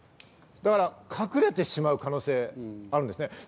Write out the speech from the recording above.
だから隠れてしまう可能性があるんですね。